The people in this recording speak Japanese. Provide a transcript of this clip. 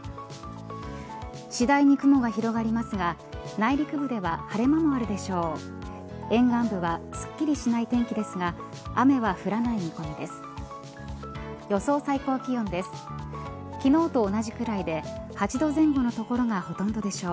次第に雲が広がりますが内陸部では晴れ間もあるでしょう。